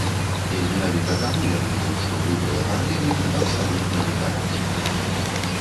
І менавіта таму я думаю, што любыя паралелі тут абсалютна недарэчныя.